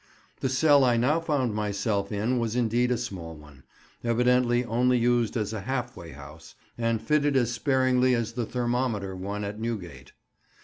The cell I now found myself in was indeed a small one—evidently only used as a half way house, and fitted as sparingly as the thermometer one at Newgate.